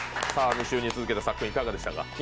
２週に続けて、さっくん、いかがでしたか？